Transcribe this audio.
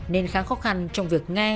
nên khá khó khăn trong việc nghe